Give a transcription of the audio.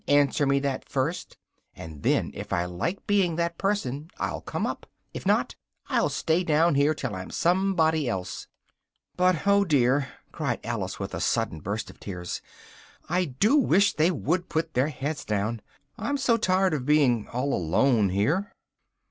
answer me that first, and then, if I like being that person, I'll come up: if not, I'll stay down here till I'm somebody else but, oh dear!" cried Alice with a sudden burst of tears, "I do wish they would put their heads down! I am so tired of being all alone here!"